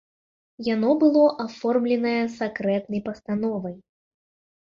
Яно было аформленае сакрэтнай пастановай.